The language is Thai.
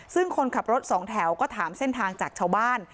ซึ่งคนขับรถสองแถวก็ถามเส้นทางจากชาวบ้าน